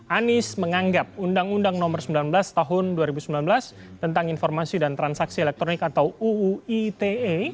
anies menganggap undang undang nomor sembilan belas tahun dua ribu sembilan belas tentang informasi dan transaksi elektronik atau uuite